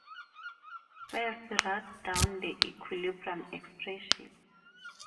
First write down the equilibrium expression.